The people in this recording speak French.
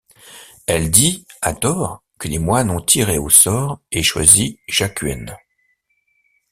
Elle dit, à tort, que les moines ont tiré au sort et choisi Jakuen.